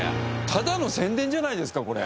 ただの宣伝じゃないですかこれ。